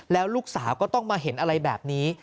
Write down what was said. แล้วลูกสาวก็ต้องมาเห็นอะไรแบบนี้